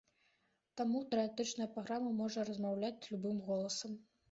Таму тэарэтычна праграма можа размаўляць любым голасам.